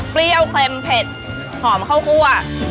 เปรี้ยวเค็มเผ็ดหอมข้าวคั่ว